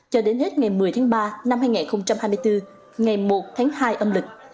cho đến hết ngày một mươi tháng ba năm hai nghìn hai mươi bốn ngày một tháng hai âm lịch